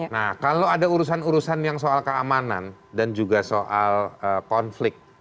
nah kalau ada urusan urusan yang soal keamanan dan juga soal konflik